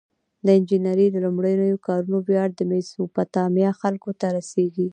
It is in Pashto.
د انجنیری د لومړنیو کارونو ویاړ د میزوپتامیا خلکو ته رسیږي.